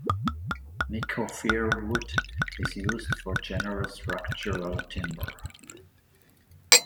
Nikko fir wood is used for general structural timber.